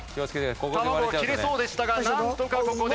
卵が切れそうでしたがなんとかここで。